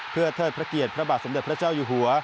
เพื่อเทิดพระเกียรติพระบาทสมเด็จพระเจ้าอยู่หัว